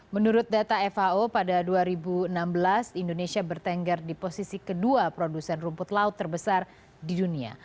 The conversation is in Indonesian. menurut data fao pada dua ribu enam belas indonesia bertenggar di posisi kedua produsen rumput laut terbesar di dunia